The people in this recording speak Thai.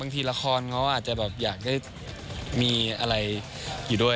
ทีละครเขาอาจจะแบบอยากได้มีอะไรอยู่ด้วย